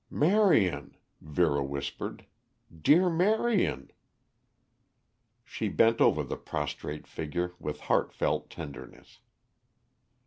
"Marion," Vera whispered. "Dear Marion." She bent over the prostrate figure with heartfelt tenderness.